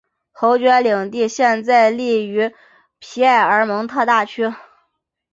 侯爵领地现在隶属于皮埃蒙特大区。